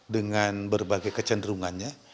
dengan berbagai kecenderungannya